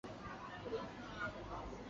他具有仰光大学的学士学位。